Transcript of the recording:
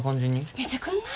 見てくんない？